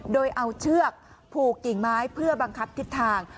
โดยเอาเชือกผูกกิ่งไม้เพื่อบังคับทิศทาง